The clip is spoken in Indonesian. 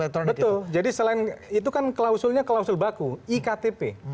betul jadi selain itu kan klausulnya klausul baku iktp